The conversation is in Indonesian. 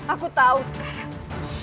aku tahu sekarang